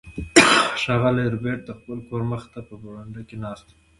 ښاغلی ربیټ د خپل کور مخې ته په برنډه کې ناست و